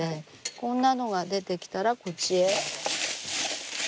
こんなのが出てきたらこっちへ。